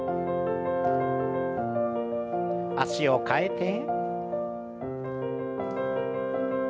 脚を替えて。